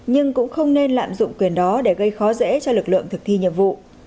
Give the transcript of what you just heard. nhưng cũng không nên lạm dụng quyền đó để gây khó dễ cho lực lượng thực thi nhiệm vụ